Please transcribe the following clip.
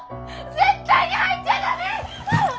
絶対に入っちゃダメッ！